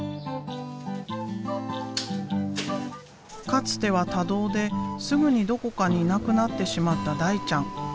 かつては多動ですぐにどこかにいなくなってしまった大ちゃん。